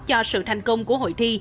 cho sự thành công của hội thi